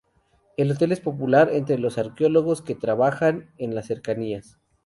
El hotel es popular entre los arqueólogos que trabajan en las cercanías.